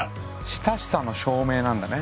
親しさの証明なんだね。